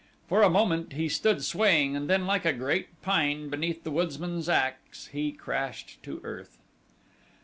For a moment he stood swaying and then like a great pine beneath the woodsman's ax he crashed to earth.